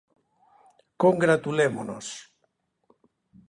Congratulémonos.